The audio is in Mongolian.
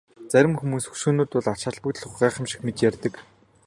Зарим хүмүүс хөшөөнүүд бол ач холбогдолгүй гайхамшиг мэт ярьдаг.